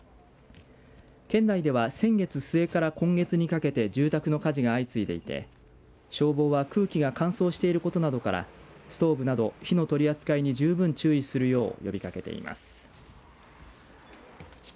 県内では先月末から今月にかけて住宅の火事が相次いでいて消防は空気が乾燥していることなどからストーブなど火の取り扱いに十分注意するよう呼びかけています。